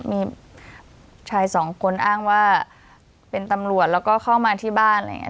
มีชายสองคนอ้างว่าเป็นตำรวจแล้วก็เข้ามาที่บ้านอะไรอย่างนี้